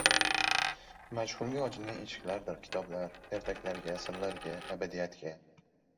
• Majhulga ochilgan eshiklardir, kitoblar: ertaklarga, sirlarga, abadiyatga…